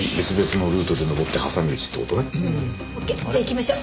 じゃあ行きましょう。